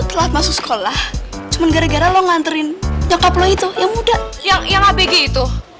telat masuk sekolah cuman gara gara lo nganterin nyokap lo itu yang muda yang abg itu